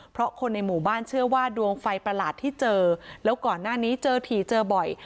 เพราะคนในหมู่บ้านเชื่อว่าดวงไฟประหลาดที่เจอแล้วก่อนหน้านี้เจอถี่เจอบ่อย